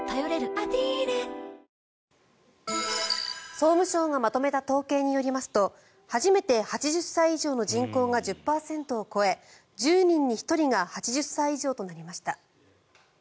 総務省がまとめた統計によりますと初めて８０歳以上の人口が１０％を超え１０人に１人が８０歳以上となりました。